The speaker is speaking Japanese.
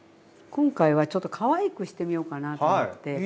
今回はちょっとかわいくしてみようかなと思って。